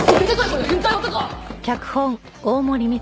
この変態男！